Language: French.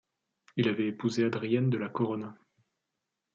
Il avait épousé Adrienne de la Corona.